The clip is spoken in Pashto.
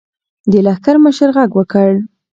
د لښکر مشر غږ وکړ.